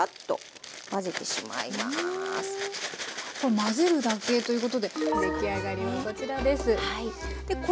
混ぜるだけということで出来上がりはこちらです。